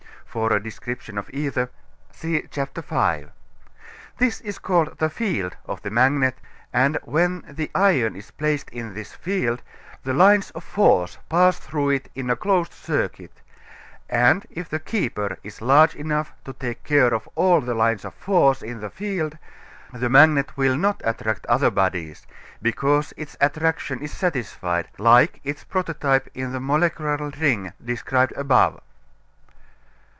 (For a description of Ether see Chap. V.) This is called the "field" of the magnet, and when the iron is placed in this field the lines of force pass through it in a closed circuit, and if the "keeper" is large enough to take care of all the lines of force in the field the magnet will not attract other bodies, because its attraction is satisfied, like its prototype in the molecular ring described above.